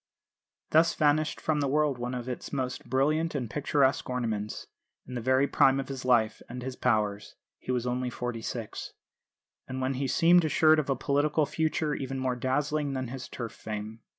Thus vanished from the world one of its most brilliant and picturesque ornaments, in the very prime of his life and his powers (he was only forty six), and when he seemed assured of a political future even more dazzling than his Turf fame.